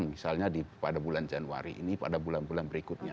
misalnya pada bulan januari ini pada bulan bulan berikutnya